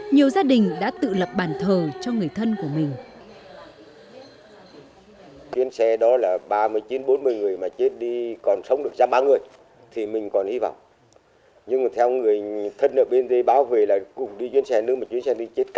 nhiều gia đình đã tự lập bàn thờ cho người thân của mình